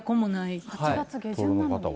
８月下旬なのに。